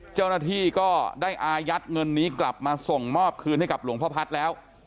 เจ้าหน้าที่ก็ได้อายัดเงินนี้กลับมาส่งมอบคืนให้กับหลวงพ่อพัฒน์แล้ว